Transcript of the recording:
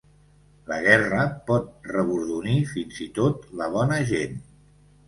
La guerra pot rebordonir fins i tot la bona gent.